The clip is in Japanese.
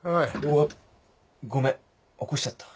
わっごめん起こしちゃった。